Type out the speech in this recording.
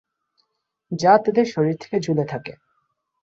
যা তাদের শরীর থেকে ঝুলে থাকে।